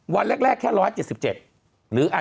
วันแรกแค่๑๗๗